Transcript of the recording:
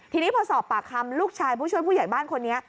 ทีนี้พอสอบปากคำลูกชายผู้ช่วยผู้ใหญ่บ้านคนนี้